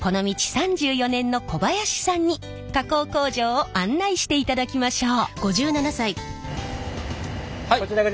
３４年の小林さんに加工工場を案内していただきましょう！